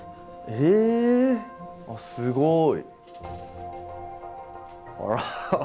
えすごい。